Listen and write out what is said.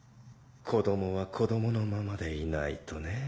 子供は子供のままでいないとね。